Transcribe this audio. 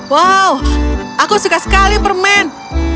wow aku suka sekali permen